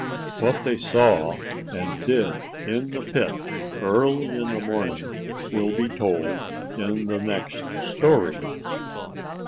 What they saw and did in the pit early in the morning will be told in the next story.